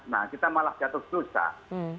nah kita malah jatuh susah